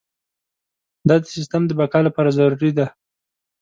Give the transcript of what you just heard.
دا د سیستم د بقا لپاره ضروري ده.